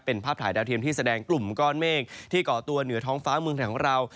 เป็นภาพถ่ายดาวเทียมที่แสดงกลุ่มก้อนเมฆที่ก่อตัวเหนือท้องฟ้าเมืองไทยของเรา